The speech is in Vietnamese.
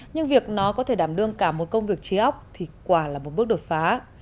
nhưng việc nó có thể đảm đương cả một công việc trí ốc thì quả là một bước đột phá